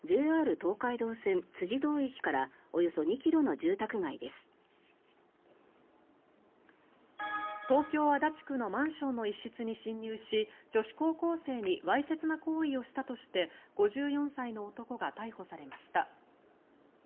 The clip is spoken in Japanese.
東京・足立区のマンションの一室に侵入し女子高校生にわいせつな行為をしたとして５４歳の男が逮捕されました。